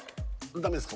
ダメですか？